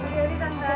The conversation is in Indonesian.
terima kasih tante